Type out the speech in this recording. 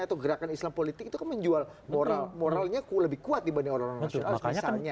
atau gerakan islam politik itu kan menjual moral moralnya lebih kuat dibanding orang orang nasional misalnya